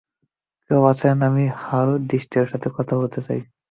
কেউ আছেন, আমি হারডিস্টির সাথে কথা বলতে চাই।